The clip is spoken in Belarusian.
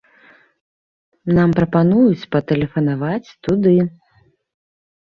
Нам прапануюць патэлефанаваць туды.